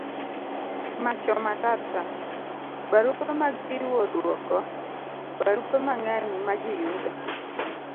Macho Matata. barupe mag chiwo duoko. barupe mang'eny majiyudo